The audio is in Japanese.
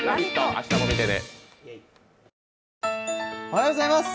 おはようございます